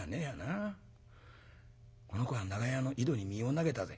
この子は長屋の井戸に身を投げたぜ」。